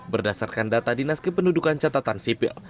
berdasarkan data dinas kependudukan catatan sipil